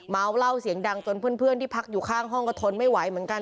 เล่าเสียงดังจนเพื่อนที่พักอยู่ข้างห้องก็ทนไม่ไหวเหมือนกัน